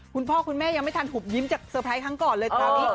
คุณพ่อคุณแม่ยังไม่ทันหุบยิ้มจากเซอร์ไพรส์ครั้งก่อนเลยคราวนี้